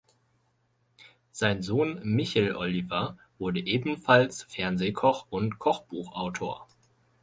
Sein Sohn Michel Oliver wurde ebenfalls Fernsehkoch und Kochbuchautor.